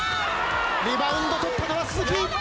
リバウンドとったのは鈴木。